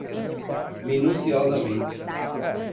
minuciosamente